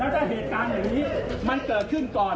แล้วถ้าเหตุการณ์แบบนี้มันเกิดขึ้นก่อน